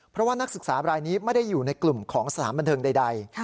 เพราะว่านักศึกษารายนี้ไม่ได้อยู่ในกลุ่มของสถานบันเทิงใด